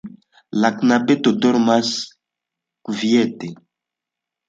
La knabeto dormas kviete.